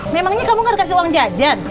memangnya kamu nggak dikasih uang jajan